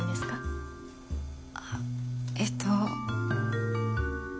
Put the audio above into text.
あえっと。